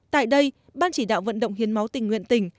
tại đây ban chỉ đạo vận động hiến máu tình nguyện tỉnh